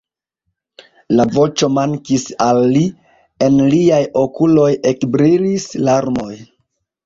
La voĉo mankis al li, en liaj okuloj ekbrilis larmoj.